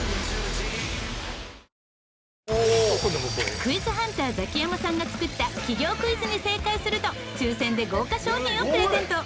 クイズハンターザキヤマさんが作った企業クイズに正解すると抽選で豪華商品をプレゼント。